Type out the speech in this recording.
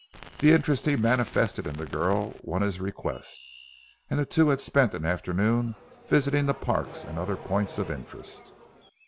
The interest he manifested in the girl won his request, and the two had spent an afternoon visiting the parks and other points of interest.